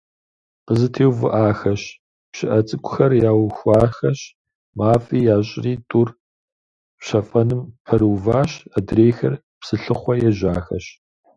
КъызэтеувыӀахэщ, пщыӀэ цӀыкӀухэр яухуахэщ, мафӀи ящӀри тӀур пщэфӀэным пэрыуващ, адрейхэр псылъыхъуэ ежьахэщ.